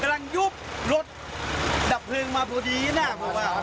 กำลังยุบรถดับเพลิงมาพอดีนะครับ